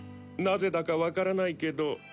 なぜだかわからないけど。